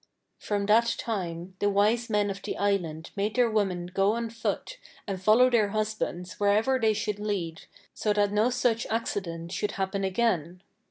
From that time the wise men of the island made their women go on foot and follow their husbands wherever they should lead, so that no such accident should happen again.